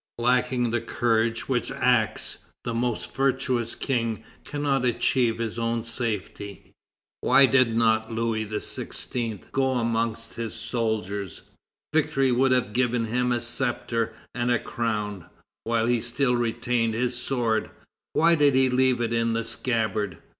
Lacking the courage which acts, the most virtuous king cannot achieve his own safety." Why did not Louis XVI. go amongst his soldiers? Victory would have given him a sceptre and a crown. While he still retained his sword, why did he leave it in the scabbard?